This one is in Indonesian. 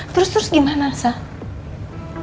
terus terus gimana sah